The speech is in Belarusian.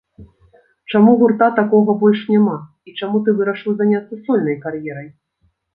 Чаму гурта такога больш няма, і чаму ты вырашыў заняцца сольнай кар'ерай?